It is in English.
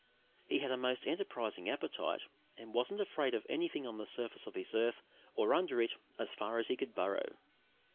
He had a most enterprising appetite, and wasn't afraid of anything on the surface of this earth or under it as far as he could burrow.